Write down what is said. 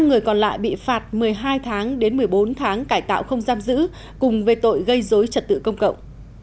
năm người còn lại bị phạt một mươi hai tháng đến một mươi bốn tháng cải tạo không giam giữ cùng về tội gây dối trật tự công cộng